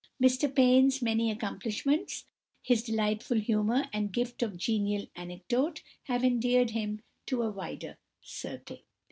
Mr Payn's many accomplishments, his delightful humour and gift of genial anecdote, have endeared him to a wide circle.